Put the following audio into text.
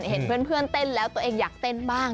เห็นเพื่อนเต้นแล้วตัวเองอยากเต้นบ้าง